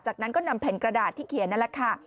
จากนั้นก็นำแผ่นกระดาษที่เขียนนั่นแหละค่ะ